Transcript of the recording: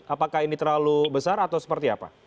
apakah ini terlalu besar atau seperti apa